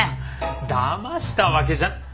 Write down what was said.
だましたわけじゃ。